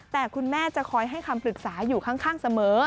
แต่คุณแม่จะคอยให้คำปรึกษาอยู่ข้างเสมอ